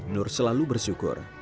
nur selalu bersyukur